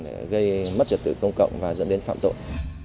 để gây mất trật tự công cộng và dẫn đến phạm tội